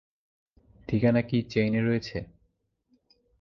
ঠিকানা কী চেইনে রয়েছে।